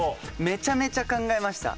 めちゃめちゃ考えました。